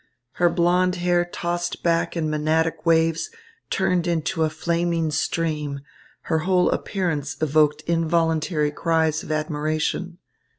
Her blond hair tossed back in Mænadic waves turned into a flaming stream. Her whole appearance evoked involuntary cries of admiration.